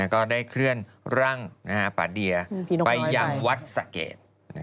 ก็ได้เคลื่อนร่างป่าเดียไปยังวัดสะเกด